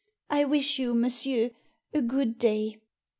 I wish you, monsieur, a good day."